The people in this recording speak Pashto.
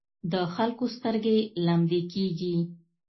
د خلکو سترګې لمدې کېږي.